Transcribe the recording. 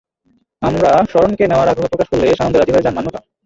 আমরা শরণকে নেওয়ার আগ্রহ প্রকাশ করলে সানন্দে রাজি হয়ে যান মান্যতা।